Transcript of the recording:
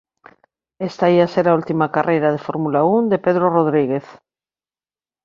Esta ía ser a última carreira de Fórmula Un de Pedro Rodríguez.